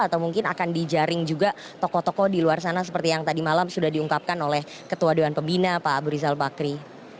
atau mungkin akan dijaring juga tokoh tokoh di luar sana seperti yang tadi malam sudah diungkapkan oleh ketua dewan pembina pak abu rizal bakri